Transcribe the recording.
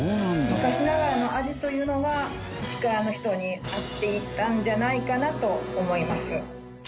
昔ながらの味というのが石川の人に合っていたんじゃないかなと思います。